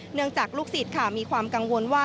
เนื่องจากลูกศิษย์ค่ะมีความกังวลว่า